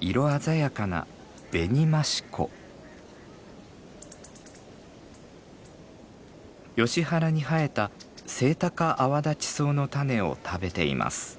色鮮やかなヨシ原に生えたセイタカアワダチソウの種を食べています。